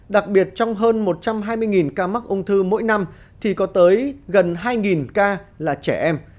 đặc biệt trong hơn một trăm hai mươi ca mắc ung thư mỗi năm thì có tới gần hai ca là trẻ em